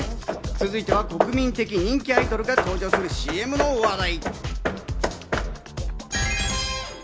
続いてお国民的人気アイドルが登場するＣＭの話題。